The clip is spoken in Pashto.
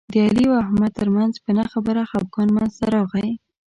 د علي او احمد ترمنځ په نه خبره خپګان منځ ته راغی.